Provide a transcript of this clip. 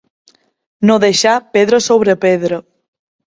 No deixar pedra sobre pedra.